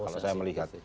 kalau saya melihat